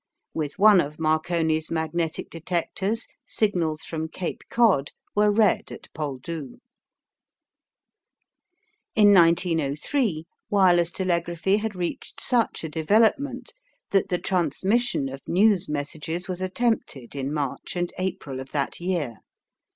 With one of Marconi's magnetic detectors signals from Cape Cod were read at Poldhu. In 1903 wireless telegraphy had reached such a development that the transmission of news messages was attempted in March and April of that year.